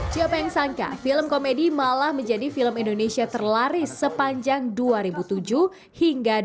siapa yang sangka film komedi malah menjadi film indonesia terlaris sepanjang dua ribu tujuh hingga dua ribu tujuh